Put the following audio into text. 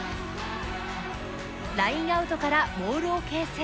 ラインアウトからモールを形成。